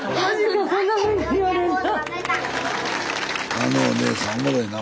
あのお姉さんおもろいな。